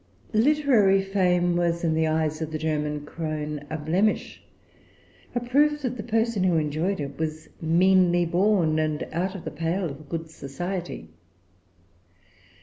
Literary fame was, in the eyes of the German crone, a blemish, a proof that the person who enjoyed it was meanly born, and out of the pale of good society.